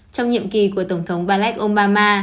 trong nhiệm kỳ của tổng thống barack obama